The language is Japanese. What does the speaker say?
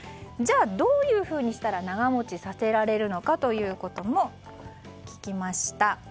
じゃあ、どういうふうにしたら長持ちさせられるのかも聞きました。